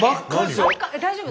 大丈夫？